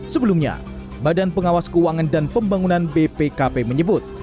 sebelumnya badan pengawas keuangan dan pembangunan bpkp menyebut